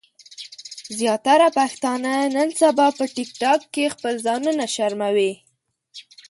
زياتره پښتانۀ نن سبا په ټک ټاک کې خپل ځانونه شرموي